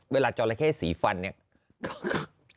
เวลาจอละเข้สีฟันเนี่ย